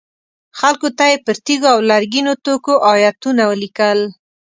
خلکو ته یې پر تیږو او لرګینو توکو ایتونه لیکل.